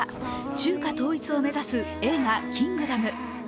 中華統一を目指す映画「キングダム」。